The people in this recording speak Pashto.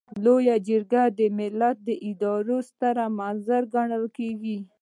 لویه جرګه د ملت د ادارې ستر مظهر ګڼل کیږي.